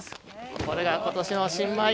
これが今年の新米。